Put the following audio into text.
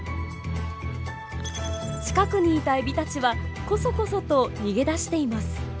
近くにいたエビたちはコソコソと逃げ出しています。